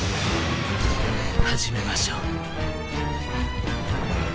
始めましょう。